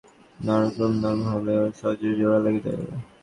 নামানোর আগে condense milk দিলে নাড়ু খুব নরম হবে ও সহজেই জোড়া লেগে যাবে।